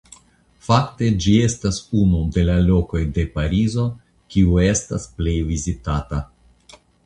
Fakte ĝi estas unu de la lokoj de Parizo kiu estas plej vizitata.